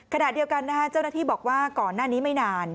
ขณะเดียวกันนะฮะเจ้าหน้าที่บอกว่าก่อนหน้านี้ไม่นาน